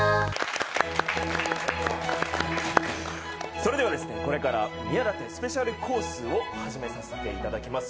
それでは、これから宮舘スペシャルコースを始めさせていただきます。